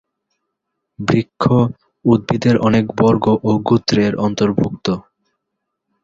বৃক্ষ উদ্ভিদের অনেক বর্গ ও গোত্রের অন্তর্ভুক্ত।